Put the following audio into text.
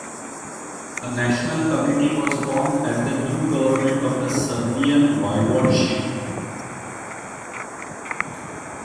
A National committee was formed as the new government of the "Serbian Voivodship".